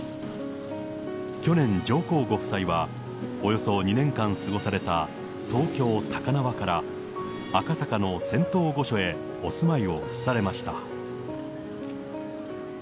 去年、上皇ご夫妻はおよそ２年間過ごされた東京・高輪から、赤坂の仙洞御所へお住まいを移されました。